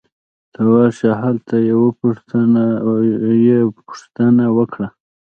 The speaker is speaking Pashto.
ته ورشه ! هلته یې پوښتنه وکړه